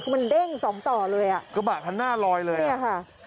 คือมันเด้งสองต่อเลยอ่ะกระบะคันหน้าลอยเลยเนี่ยค่ะ